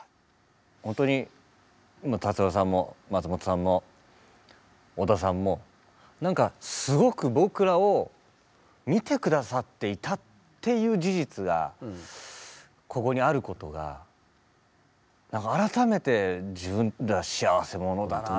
ほんとに達郎さんも松本さんも織田さんも何かすごく僕らを見て下さっていたっていう事実がここにあることが改めて自分ら幸せ者だなと。